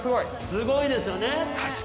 ◆すごいですよね。